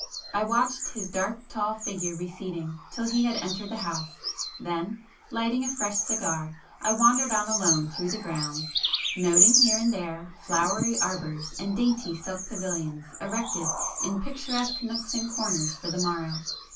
I watched his dark tall figure receding till he had entered the house; then, lighting a fresh cigar, I wandered on alone through the grounds, noting here and there flowery arbours and dainty silk pavilions erected in picturesque nooks and corners for the morrow.